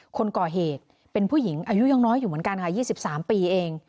คนก่อเหตุเป็นผู้หญิงอายุยังน้อยอยู่เหมือนกันค่ะ๒๓ปีเอง